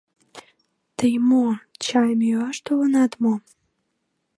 — Тый мо, чайым йӱаш толынат мо?